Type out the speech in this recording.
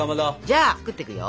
じゃあ作ってくよ。